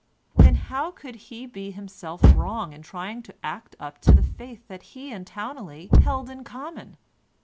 Then how could he be himself wrong in trying to act up to the faith that he and Towneley held in common?